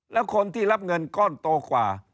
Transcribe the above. แล้วคนที่รับเงินก้อนโตกว่า